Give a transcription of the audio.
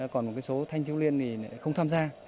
còn một số thanh châu liên thì không tham gia